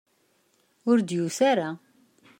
Ur d-yusi ara.